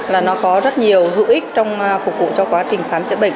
là nó có rất nhiều hữu ích trong phục vụ cho quá trình khám chữa bệnh